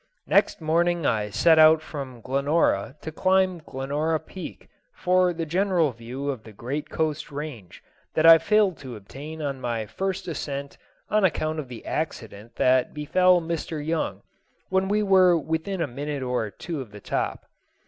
Next morning I set out from Glenora to climb Glenora Peak for the general view of the great Coast Range that I failed to obtain on my first ascent on account of the accident that befell Mr. Young when we were within a minute or two of the top.